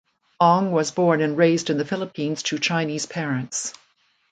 Ong was born and raised in the Philippines to Chinese parents.